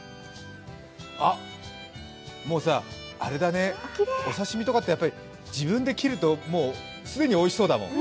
あっ、もうさ、お刺身とかって自分で切ると既においしそうだもん。